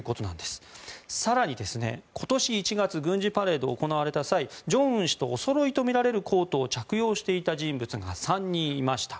更に、今年１月軍事パレードが行われた際正恩氏とおそろいとみられるコートを着用していた人物が３人いました。